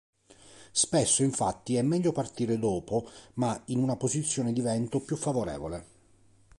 Spesso, infatti, è meglio partire dopo ma in una posizione di vento più favorevole.